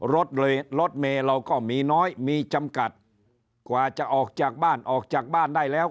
รถเลยรถเมย์เราก็มีน้อยมีจำกัดกว่าจะออกจากบ้านออกจากบ้านได้แล้ว